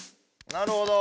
なるほど。